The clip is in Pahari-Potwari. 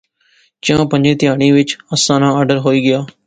چاں پنجیں تہاڑیں وچ اسے ناں آرڈر ہوئی گیا